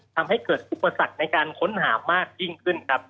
ทำให้เกิดอุปสรรคในการค้นหามากยิ่งขึ้นครับ